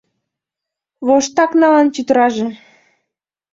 Воштак налын тӱтыраже.